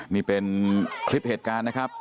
นี่เป็นคลิปเหตุการณ์นะครับ